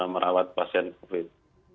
merawat pasien covid sembilan belas